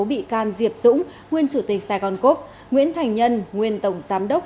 bị can diệp dũng nguyên chủ tịch sài gòn cốp nguyễn thành nhân nguyên tổng giám đốc